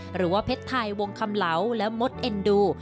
หรือว่าเพชรไทยวงคำเหลาและมดเอ็นดู